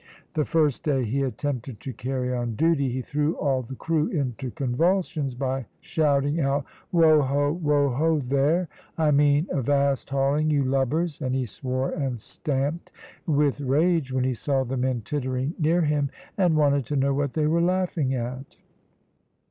The first day he attempted to carry on duty, he threw all the crew into convulsions by shouting out, `Wo ho! wo ho, there! I mean, avast hauling, you lubbers!' and he swore and stamped with rage when he saw the men tittering near him, and wanted to know what they were laughing at."